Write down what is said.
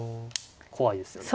怖いですよね。